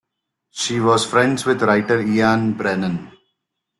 She was friends with writer Ian Brennan.